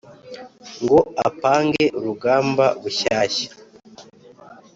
ngo apange urugamba bushyashya,